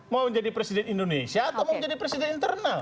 mau jadi presiden indonesia atau mau jadi presiden internal